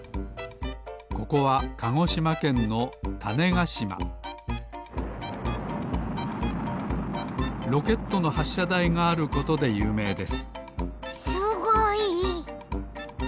ここはかごしまけんの種子島ロケットのはっしゃだいがあることでゆうめいですすごい！